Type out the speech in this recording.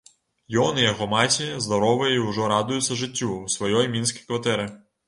Ён і яго маці здаровыя і ўжо радуюцца жыццю ў сваёй мінскай кватэры.